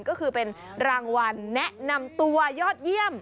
ก็คือเป็นรางวัลแนะนำตัวยอดเยี่ยม